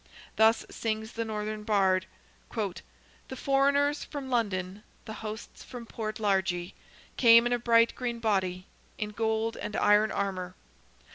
Thus sings the northern bard— "The foreigners from London, The hosts from Port Largy * Came in a bright green body, In gold and iron armour.